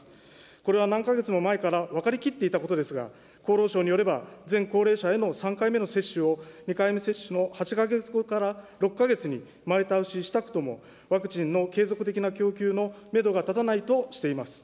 これは何か月も前から分かりきっていたことですが、厚労省によれば、全高齢者への３回目の接種を、２回目接種の８か月後から６か月に前倒ししたくともワクチンの継続的な供給のメドが立たないとしています。